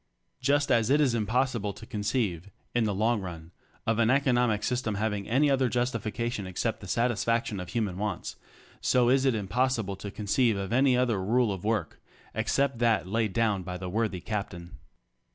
Just as it is impossible to con ceive, in the long run, of an economic system having any other justification except the satisfaction of human wants, so is it impossible to conceive of any other rule of work ex cept that laid down by the worthy Captain.